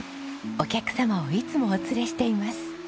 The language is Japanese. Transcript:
お客様をいつもお連れしています。